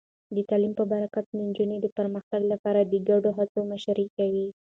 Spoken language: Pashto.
د تعلیم په برکت، نجونې د پرمختګ لپاره د ګډو هڅو مشري کوي.